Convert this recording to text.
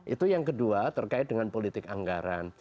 itu yang kedua terkait dengan politik anggaran